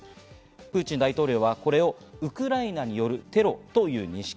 プーチン大統領はこれをウクライナによるテロという認識。